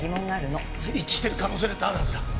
一致してる可能性だってあるはずだ。